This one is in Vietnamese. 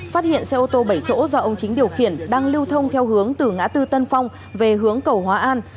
phát hiện xe ô tô bảy chỗ do ông chính điều khiển đang lưu thông theo hướng từ ngã tư tân phong về hướng cầu hóa an